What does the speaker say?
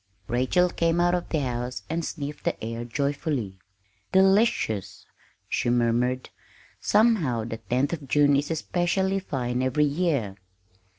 Rachel came out of the house and sniffed the air joyfully. "Delicious!" she murmured. "Somehow, the 10th of June is specially fine every year."